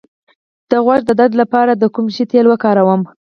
د غوږ د درد لپاره د کوم شي تېل وکاروم؟